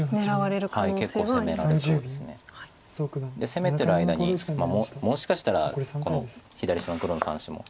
攻めてる間にもしかしたらこの左下の黒の３子も。